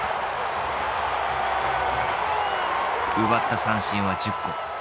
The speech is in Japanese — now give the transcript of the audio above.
奪った三振は１０個。